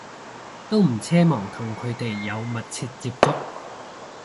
都唔奢望同佢哋有密切接觸